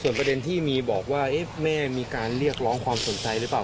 ประเด็นที่มีบอกว่าแม่มีการเรียกร้องความสนใจหรือเปล่า